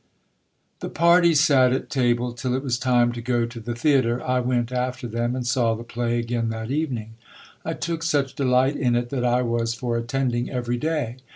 The party sat at table till it was time to go to the theatre. I went after them, and saw the play again that evening. I took such delight in it, that I was for attending every day.